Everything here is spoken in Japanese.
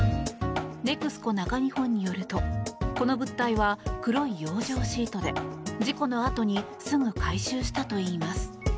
ＮＥＸＣＯ中日本によるとこの物体は黒い養生シートで事故のあとにすぐ回収したといいます。